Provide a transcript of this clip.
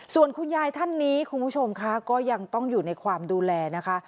ส่วนคุณยายท่านนี้คุณผู้ชมค่ะก็ยังต้องอยู่ในความดูแลนะคะ